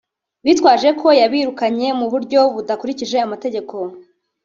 bitwaje ko yabirukanye mu buryo budakurikije amategeko